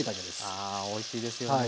あおいしいですよね。